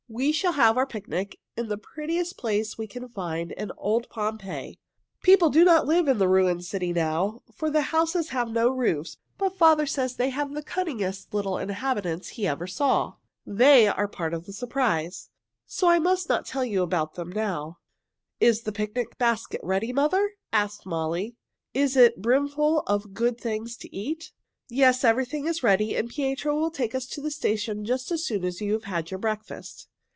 "We shall have our picnic in the prettiest place we can find in old Pompeii. People do not live in the ruined city now, for the houses have no roofs. But father says they have the cunningest little inhabitants he ever saw. They are part of the surprise, so I must not tell about them now." "Is the picnic basket ready, mother?" asked Molly. "Is it brimful of good things to eat?" "Yes, everything is ready, and Pietro will take us to the station just as soon as you have had your breakfast."